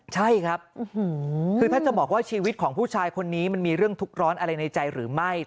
ใช่ครับคือถ้าจะบอกว่าชีวิตของผู้ชายคนนี้มันมีเรื่องทุกข์ร้อนอะไรในใจหรือไม่